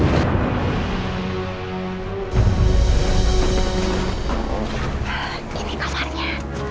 hah ini kamarnya